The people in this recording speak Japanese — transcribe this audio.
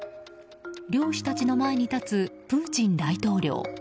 漁師たちの前に立つプーチン大統領。